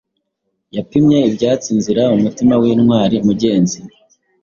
Yapimye ibyatsi-inzira umutima-wintwari mugenzi